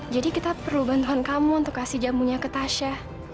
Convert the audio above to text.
jadi kita perlu bantuan kamu untuk kasih jamunya ke tasya